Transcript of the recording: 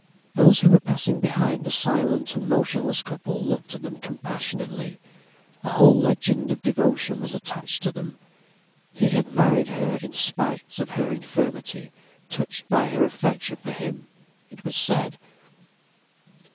Those who were passing behind the silent and motionless couple looked at them compassionately. A whole legend of devotion was attached to them. He had married her in spite of her infirmity, touched by her affection for him, it was said.